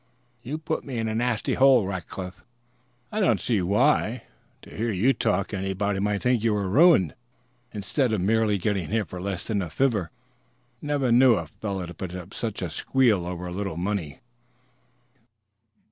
You put me in a nasty hole, Rackliff." "I don't see why. To hear you talk, anybody might think you were ruined instead of merely getting hit for less than a fiver. Never knew a fellow to put up such a squeal over a little money."